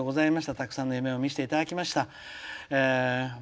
たくさんの夢を見せていただきました。